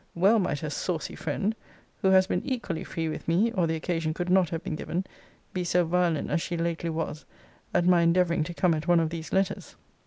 Well might her saucy friend (who has been equally free with me, or the occasion could not have been given) be so violent as she lately was, at my endeavouring to come at one of these letters.